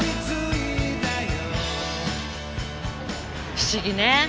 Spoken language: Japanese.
不思議ね。